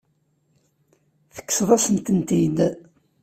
Tekkseḍ-asent-tent-id.